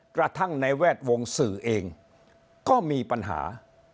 กระทั่งในแวดวงสื่อเองก็มีปัญหา